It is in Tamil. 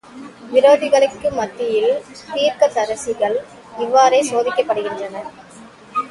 விரோதிகளுக்கு மத்தியில் தீர்க்கதரிசிகள் இவ்வாறே சோதிக்கப்படுகின்றனர்.